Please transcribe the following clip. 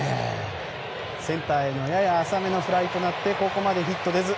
センターへのやや浅めのフライとなってここまでヒット出ず。